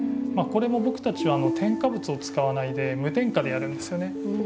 これも僕たちは添加物を使わないで無添加でやるんですよね。